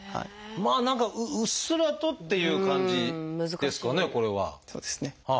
まあ何かうっすらとっていう感じですかねこれは。